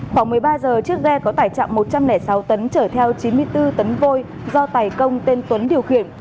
khoảng một mươi ba giờ chiếc ghe có tải trọng một trăm linh sáu tấn chở theo chín mươi bốn tấn vôi do tài công tên tuấn điều khiển